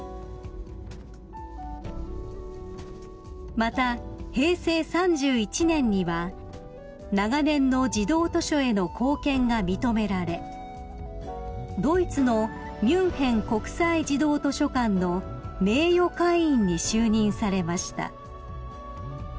［また平成３１年には長年の児童図書への貢献が認められドイツのミュンヘン国際児童図書館の名誉会員に就任されました］